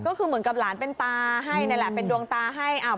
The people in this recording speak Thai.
ก็คือเหมือนกับหลานเป็นตาให้นั่นแหละเป็นดวงตาให้